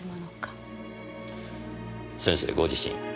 先生ご自身